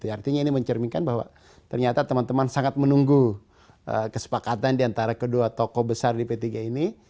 artinya ini mencerminkan bahwa ternyata teman teman sangat menunggu kesepakatan diantara kedua tokoh besar di p tiga ini